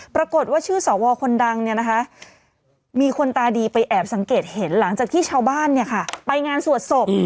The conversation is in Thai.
ปรากฏว่าชื่อสวคนดังเนี่ยนะคะมีคนตาดีไปแอบสังเกตเห็นหลังจากที่ชาวบ้านไปงานสวดศพ